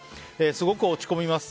すごく落ち込みます。